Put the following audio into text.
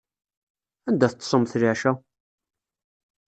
Anda teṭṭsemt leɛca?